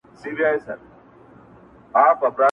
ګنې هسې روغ ليــــدهٔ شــــــــــم روغ انسان يم